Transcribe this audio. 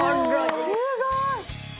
すごーい！